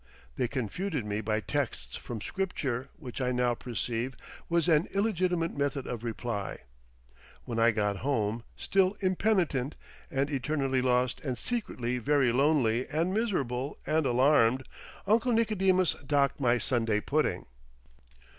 They confuted me by texts from Scripture which I now perceive was an illegitimate method of reply. When I got home, still impenitent and eternally lost and secretly very lonely and miserable and alarmed, Uncle Nicodemus docked my Sunday pudding.